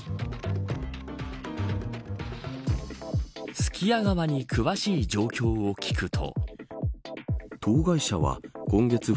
すき家側に詳しい状況を聞くと。